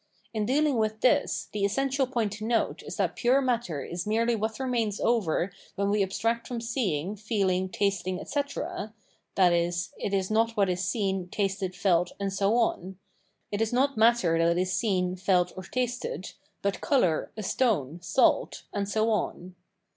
In dealing with this, the essential point to note is that pure matter is The Result of Enlightenment 586 merely what remains over when we abstract from seeing, feeling, tasting, etc., i.e. it is not what is seen, tasted, felt, and so on ; it is not matter that is seen, felt, or tasted, but colour, a stone, salt, and so on.